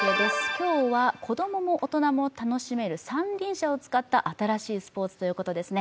今日は子供も大人も楽しめる三輪車を使った新しいスポーツということですね。